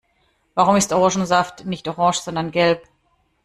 Warum ist Orangensaft nicht orange, sondern gelb?